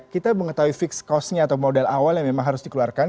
kita mengetahui fixed cost nya atau modal awal yang memang harus dikeluarkan